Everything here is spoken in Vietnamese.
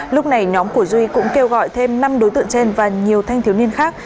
lúc này nhóm của duy cũng kêu gọi thêm năm đối tượng trên và nhiều thanh thiếu niên khác